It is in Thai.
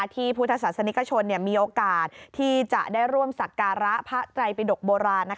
พุทธศาสนิกชนมีโอกาสที่จะได้ร่วมสักการะพระไตรปิดกโบราณ